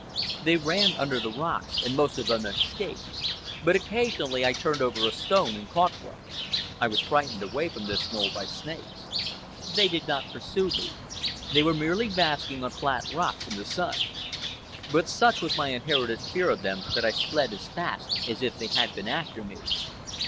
They ran under the rocks, and most of them escaped; but occasionally I turned over a stone and caught one. I was frightened away from this knoll by snakes. They did not pursue me. They were merely basking on flat rocks in the sun. But such was my inherited fear of them that I fled as fast as if they had been after me.